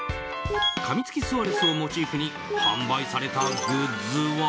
かみつきスアレスをモチーフに販売されたグッズは。